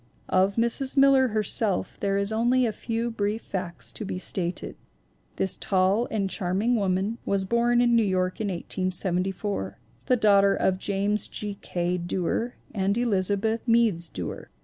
Of Mrs. Miller herself there are only a few brief facts to be stated. This tall and charming woman was born in New York in 1874, the daughter of James G. K. Duer and Elizabeth (Meads) Duer.